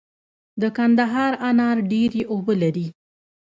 د کندهار انار ډیرې اوبه لري.